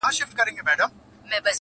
جهانی به له بهاره د سیلیو لښکر یوسي-